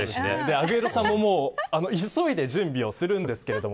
アグエロさんも急いで準備をするんですけれども。